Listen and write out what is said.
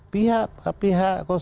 pihak satu juga ikut tergugat